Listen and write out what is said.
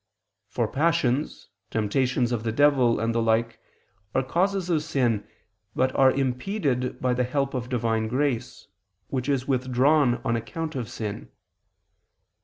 For passions, temptations of the devil, and the like are causes of sin, but are impeded by the help of Divine grace which is withdrawn on account of sin.